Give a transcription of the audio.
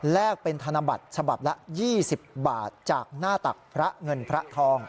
เป็นธนบัตรฉบับละ๒๐บาทจากหน้าตักพระเงินพระทอง